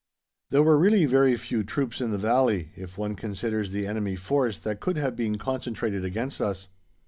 There were really very few troops in the Valley, if one considers the enemy force that could have been concentrated against us.